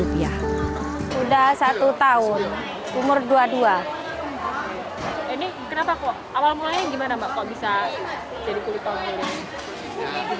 ini kenapa kok awal mulanya gimana mbak kok bisa jadi kulit pohon